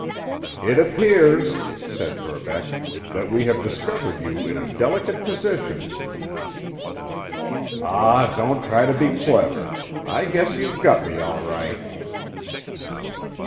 "It appears," said Verbeck, "that we have discovered you in a delicate position." "Aw, don't try to be clever! I guess you've got me, all right!"